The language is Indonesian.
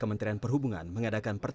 aturan perhubungan darat